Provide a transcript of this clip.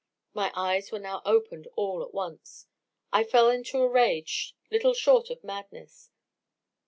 My eyes were now opened all at once I fell into a rage little short of madness.